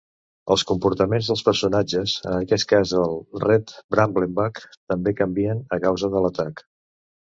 Els comportaments dels personatges, en aquest cas el Red Brambleback, també canvien a causa de l'atac.